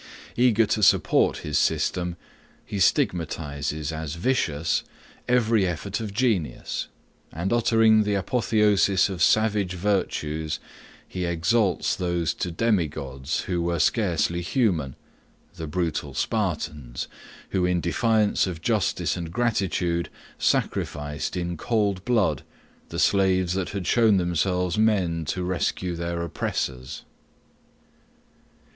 Eager to support his system, he stigmatizes, as vicious, every effort of genius; and uttering the apotheosis of savage virtues, he exalts those to demigods, who were scarcely human the brutal Spartans, who in defiance of justice and gratitude, sacrificed, in cold blood, the slaves that had shown themselves men to rescue their oppressors.